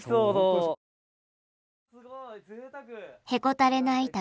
へこたれない